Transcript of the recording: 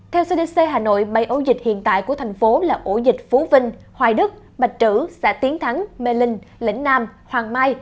theo cdc hà nội bảy ổ dịch hiện tại của thành phố là ổ dịch phú vinh hoài đức bạch trữ xã tiến thắng mê linh lĩnh nam hoàng mai